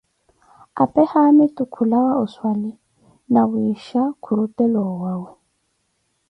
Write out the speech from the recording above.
apee haamitu kulawa oswali, nawisha khurutela owawe.